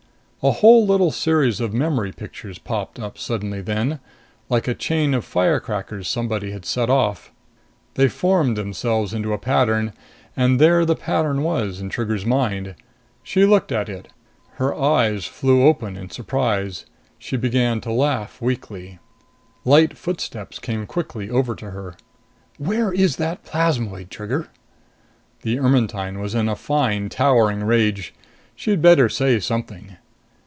A whole little series of memory pictures popped up suddenly then, like a chain of firecrackers somebody had set off. They formed themselves into a pattern; and there the pattern was in Trigger's mind. She looked at it. Her eyes flew open in surprise. She began to laugh weakly. Light footsteps came quickly over to her. "Where is that plasmoid, Trigger?" The Ermetyne was in a fine, towering rage. She'd better say something.